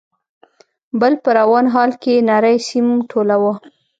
، بل په روان حال کې نری سيم ټولاوه.